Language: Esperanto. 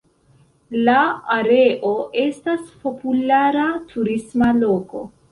La areo estas populara turisma loko.